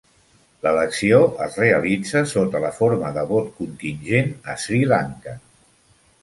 L'elecció es realitza sota la forma de vot contingent a Sri Lanka.